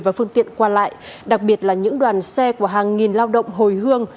và phương tiện qua lại đặc biệt là những đoàn xe của hàng nghìn lao động hồi hương